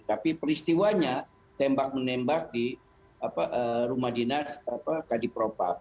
tapi peristiwanya tembak menembak di rumah dinas kadif propam